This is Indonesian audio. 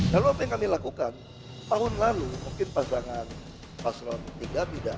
lalu apa yang kami lakukan tahun lalu mungkin pasangan pasron tidak baca